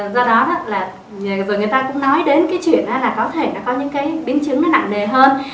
do đó là rồi người ta cũng nói đến cái chuyện là có thể có những cái biến chứng nó nặng nề hơn